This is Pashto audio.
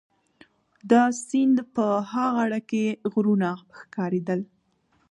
د سیند په ها غاړه کي غرونه ښکارېدل.